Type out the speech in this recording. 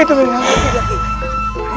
itu dia yang berhenti